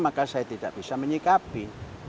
maka saya tidak bisa menyikapi